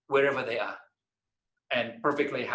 di mana saja mereka ada